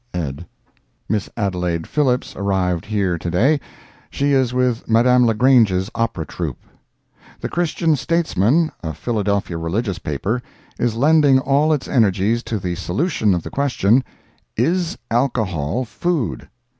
Ed.] Miss Adelaid Phillips arrived here to day. She is with Madame La Grange's opera troupe. The Christian Statesman, a Philadelphia religious paper, is lending all its energies to the solution of the question, "Is alcohol food?"